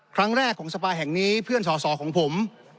ครั้งแรกของสภาแห่งนี้เพื่อนสอสอของผม